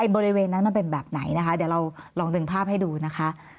บริเวณนั้นมันเป็นแบบไหนนะคะเดี๋ยวเราลองดึงภาพให้ดูนะคะ